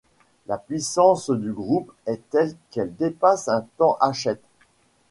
La puissance du groupe est telle qu'elle dépasse un temps Hachette.